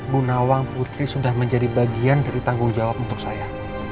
bu nawang putri sudah menjadi bagian dari tanggung jawab untuk saya